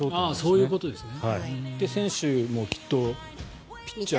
そういうことですね。